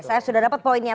saya sudah dapat poinnya